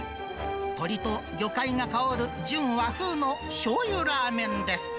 鶏と魚介が香る、純和風のしょうゆラーメンです。